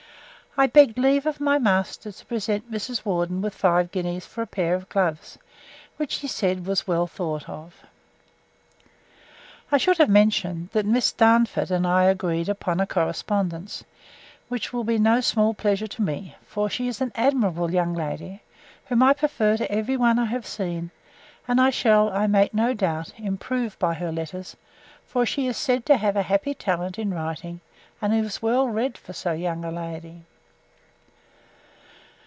I begged leave of my master to present Mrs. Worden with five guineas for a pair of gloves; which he said was well thought of. I should have mentioned, that Miss Darnford and I agreed upon a correspondence, which will be no small pleasure to me; for she is an admirable young lady, whom I prefer to every one I have seen; and I shall, I make no doubt, improve by her letters; for she is said to have a happy talent in writing, and is well read, for so young a lady.